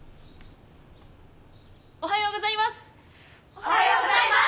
おはようございます。